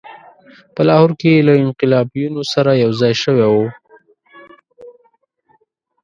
په لاهور کې له انقلابیونو سره یوځای شوی وو.